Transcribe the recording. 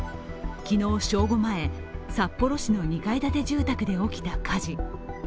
昨日正午前、札幌市の２階建て住宅で起きた火事。